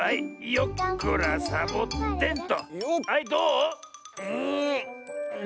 よっこらサボテンと。